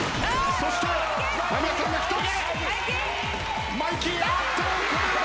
そして間宮さんが２つ。